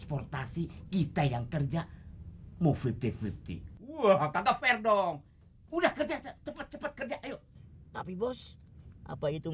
pasti kita dikerjakan